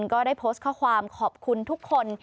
ก็ได้โพสต์ข้อความขอบคุณทุกคน